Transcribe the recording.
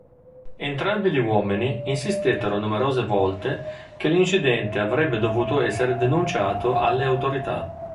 Entrambi gli uomini insistettero numerose volte che l’incidente avrebbe dovuto essere denunciato alle autorità.